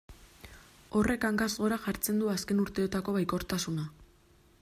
Horrek hankaz gora jartzen du azken urteotako baikortasuna.